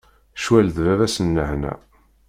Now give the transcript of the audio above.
Ccwal d baba-s n lehna.